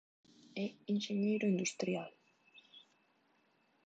É enxeñeiro industrial.